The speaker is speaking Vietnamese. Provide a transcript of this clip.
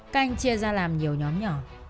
canh chia ra làm nhiều nhóm nhỏ